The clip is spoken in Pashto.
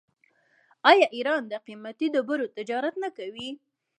آیا ایران د قیمتي ډبرو تجارت نه کوي؟